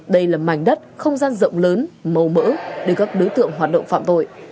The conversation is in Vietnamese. đây là mảnh đất không gian rộng lớn màu mỡ để các đối tượng hoạt động phạm tội